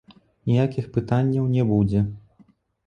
Ніякіх пытанняў не будзе.